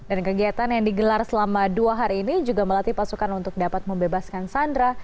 dan kegiatan yang digelar selama dua hari ini juga melatih pasukan untuk dapat membebaskan sandra